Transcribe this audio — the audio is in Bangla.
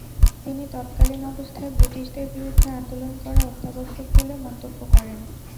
তিনি তৎকালীন অবস্থায় ব্রিটিশদের বিরুদ্ধে আন্দোলন করা অত্যাবশ্যক বলে মন্তব্য করেন।